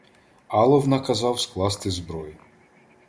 Алов наказав скласти зброю.